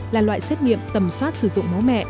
là loại xét nghiệm tầm soát sử dụng bố mẹ